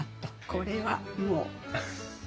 これはもう。